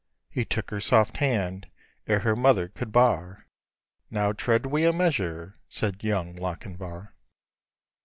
He took her soft hand, ere her mother could bar, ' Now tread we a measure !' said young Lochinvar.